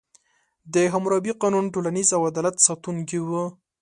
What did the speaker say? د حموربي قانون ټولنیز او عدالت ساتونکی و.